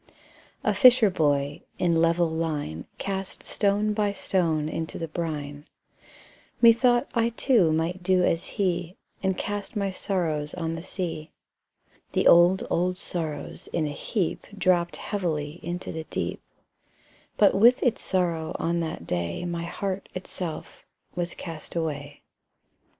A fisher boy, in level line, Cast stone by stone into the brine: Methought I too might do as he, And cast my sorrows on the sea. The old, old sorrows in a heap Dropped heavily into the deep; But with its sorrow on that day My heart itself was cast away.